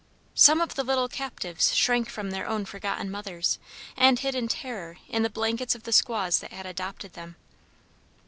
Some of the little captives shrank from their own forgotten mothers, and hid in terror in the blankets of the squaws that had adopted them.